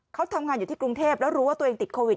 เขาทำงานอยู่ที่กรุงเทพแล้วรู้ว่าตัวเองติดโควิด